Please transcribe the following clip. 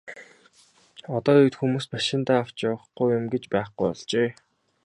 Одоо үед хүмүүс машиндаа авч явахгүй юм гэж байхгүй болжээ.